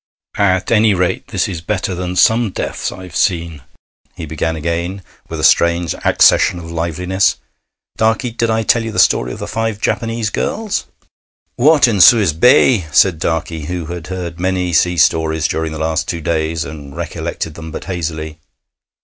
'At any rate, this is better than some deaths I've seen,' he began again with a strange accession of liveliness. 'Darkey, did I tell you the story of the five Japanese girls?' 'What, in Suez Bay?' said Darkey, who had heard many sea stories during the last two days, and recollected them but hazily.